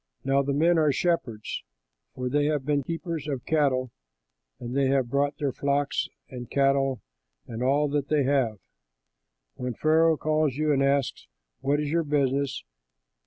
Now the men are shepherds, for they have been keepers of cattle; and they have brought their flocks and cattle and all that they have.' When Pharaoh calls you, and asks, 'What is your business?'